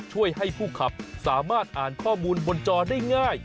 ช่วยให้ผู้ขับสามารถอ่านข้อมูลบนจอได้ง่าย